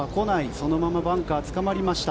そのままバンカーにつかまりました。